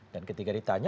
dan ketika ditanya